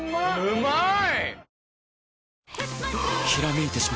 うまい！